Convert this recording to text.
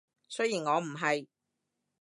雖然我唔係